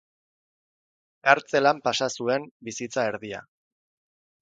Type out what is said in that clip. Kartzelan pasa zuen bizitza erdia.